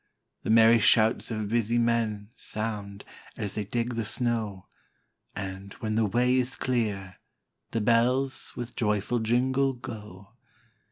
The merry shouts of busy men Sound, as they dig the snow; And, when the way is clear, the bells With joyful jingle, go.